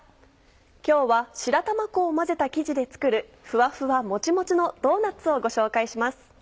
今日は白玉粉を混ぜた生地で作るふわふわもちもちのドーナッツをご紹介します。